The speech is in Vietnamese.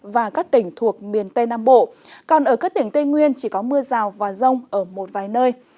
và các tỉnh thuộc miền tây nam bộ còn ở các tỉnh tây nguyên chỉ có mưa rào và rông ở một vài nơi